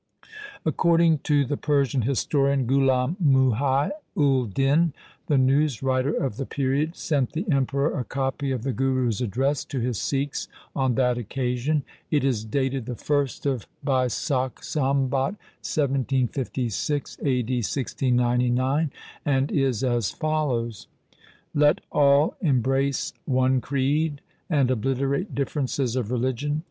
According to the Persian historian Ghulam Muhai ul Din, the newswriter of the period sent the Emperor a copy of the Guru's address to his Sikhs on that occasion. It is dated the first of Baisakh, Sambat 1756 (a. d. 1699), and is as follows :' Let all embrace one creed and obliterate differences of religion.